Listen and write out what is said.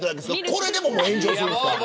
これでもう炎上するんですか。